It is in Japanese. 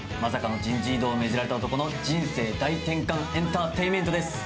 大異動を命じられた男の人生大転換エンターテインメントです。